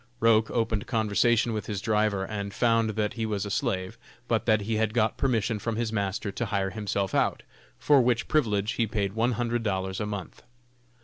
Roch opened conversation with his driver, and found that he was a slave, but that he had got permission from his master to hire himself out, for which privilege he paid one hundred dollars a month.